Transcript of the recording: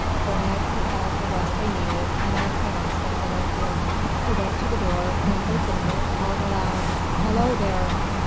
The nags have had the rest they needed and I cannot spend the night here." He went to the door and opening it called a loud "Hallo, there!"